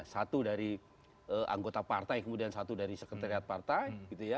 satu dari anggota partai kemudian satu dari sekretariat partai